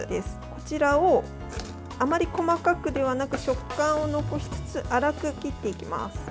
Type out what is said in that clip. こちらを、あまり細かくではなく食感を残しつつ粗く切っていきます。